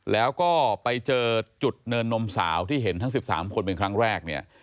แล้วก็ไปเจอจุดเนินนมสาวที่เห็นทั้ง๑๓คนเป็นครั้งแรกเนี่ย